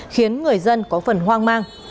khiến người dân có phần hoang mang